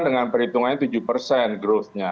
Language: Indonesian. dengan perhitungannya tujuh persen growth nya